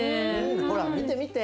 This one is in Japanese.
ほら見て見て。